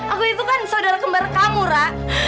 aku itu kan saudara kembar kamu rak